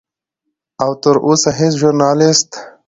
او تر اوسه هیڅ ژورنالست